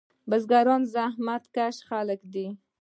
بزګران زحمت کشه خلک دي.